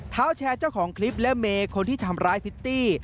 เท้าแชร์เจ้าของคลิปและเมย์คนที่ทำร้ายพิตตี้